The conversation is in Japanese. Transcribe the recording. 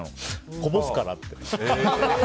こぼすからって。